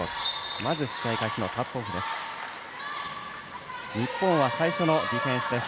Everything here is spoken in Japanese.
まず試合開始のタップオフです。